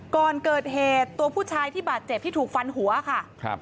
ก่อนเกิดเหตุตัวผู้ชายที่บาดเจ็บที่ถูกฟันหัวค่ะครับ